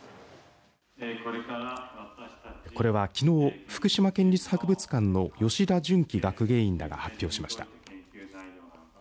これは、きのう福島県立博物館の吉田純輝学芸員らが発表しました。